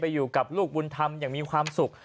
อยู่กับลูกบุญธรรมอย่างมีความสุข